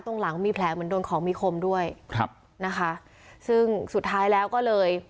ตรงหลังมีแผลเหมือนโดนของมีคมด้วยครับนะคะซึ่งสุดท้ายแล้วก็เลย